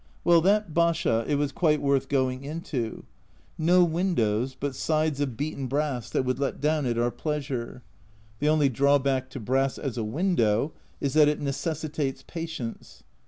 Well, that basha, it was quite worth going into ! No windows, but sides of beaten brass that would let down at our pleasure. The only drawback to brass as a window is that it necessitates patience.